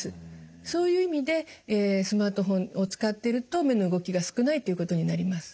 そういう意味でスマートフォンを使っていると目の動きが少ないということになります。